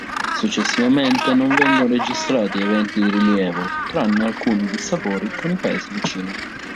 Successivamente non vengono registrati eventi di rilievo, tranne alcuni dissapori con i paesi vicini.